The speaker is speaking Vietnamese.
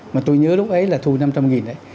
mà tôi nhớ lúc ấy là thu năm trăm linh đấy